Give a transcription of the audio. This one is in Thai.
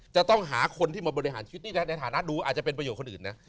จะต้องหาคนที่มาบริหารชีวิตนี่ในฐานะดูอาจจะเป็นประโยชนคนอื่นนะ